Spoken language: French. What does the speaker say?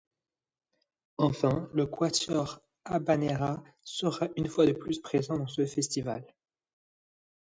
Enfin le Quatuor Habanera sera une fois de plus présent dans ce festival.